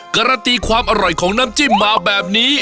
การันตีความอร่อยของน้ำจิ้มมาแบบนี้